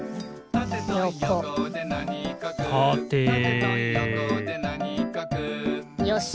「たてとよこでなにかく」よし。